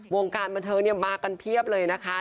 วงการบันเทอร์เนี่ยมากันเพียบเลยนะคะ